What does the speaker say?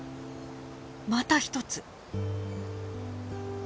また一つ。